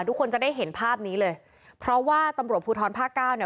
ทุกคนจะได้เห็นภาพนี้เลยเพราะว่าตำรวจภูทรภาคเก้าเนี่ย